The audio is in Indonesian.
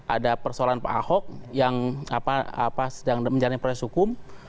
ada persoalan pak ahok yang sedang menjalani proses hukum